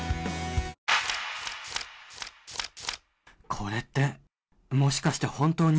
「これってもしかして本当に」